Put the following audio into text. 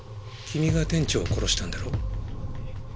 君が店長を殺したんだろう？